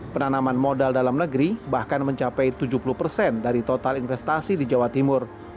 penanaman modal dalam negeri bahkan mencapai tujuh puluh persen dari total investasi di jawa timur